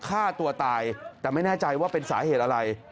ฆ่าตัวตายแต่ไม่แน่ใจว่าเป็นสาเหตุอะไร